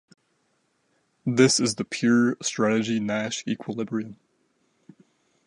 This is the pure-strategy Nash equilibrium.